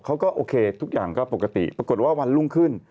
เขาก็โอเคทุกอย่างก็ปกติปรากฏว่าวันรุ่งขึ้น